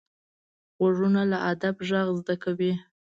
غوږونه له ادب غږ زده کوي